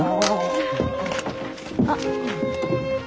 あっ。